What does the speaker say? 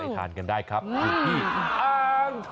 ทานกันได้ครับอยู่ที่อ่างทอง